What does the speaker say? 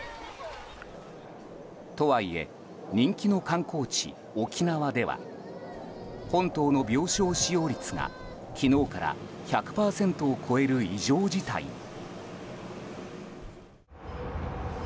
とはいえ人気の観光地・沖縄では本島の病床使用率が、昨日から１００％を超える異常事態に。